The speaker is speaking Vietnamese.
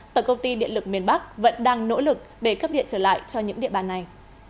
tổng công ty điện lực miền bắc vẫn đang nỗ lực để cấp điện trở lại cho những địa bàn này